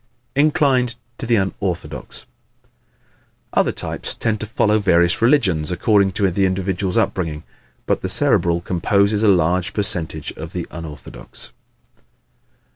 Inclined to be Unorthodox ¶ Other types tend to follow various religions according to the individual's upbringing but the Cerebral composes a large percentage of the unorthodox.